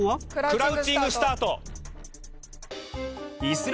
クラウチングスタート。